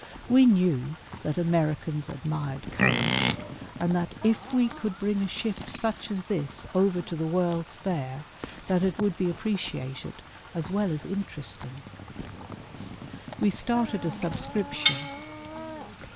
We knew that Americans admired courage, and that if we could bring a ship such as this over to the World's Fair that it would be appre ciated as well as interesting. We started a subscription.